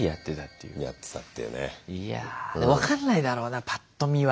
いやあ分かんないだろうなパッと見は。